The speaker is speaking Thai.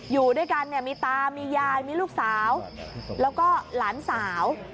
อยู่ด้วยกันเนี่ยมีตามียายมีลูกสาวแล้วก็หลานสาว